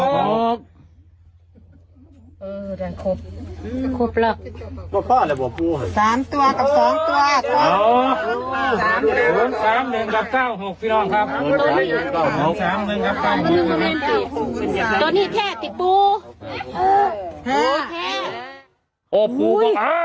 ตอนนี้แค่ติดปู